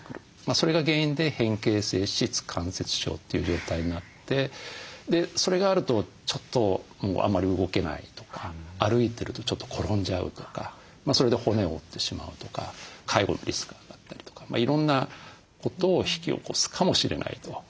それが原因で変形性膝関節症という状態になってそれがあるとちょっとあんまり動けないとか歩いてるとちょっと転んじゃうとかそれで骨を折ってしまうとか介護のリスクが上がったりとかいろんなことを引き起こすかもしれないと。